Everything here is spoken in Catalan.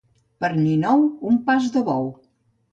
Per Ninou, un pas de bou.